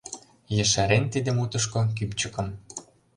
Ешарен тиде мутышко кӱпчыкым